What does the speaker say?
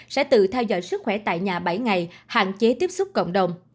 sẽ tự theo dõi sức khỏe tại nhà bảy ngày hạn chế tiếp xúc cộng đồng